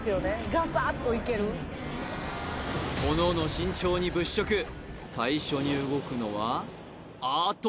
ガサッといけるおのおの慎重に物色最初に動くのはあっと